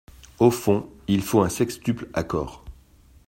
Au fond, il faut un sextuple accord.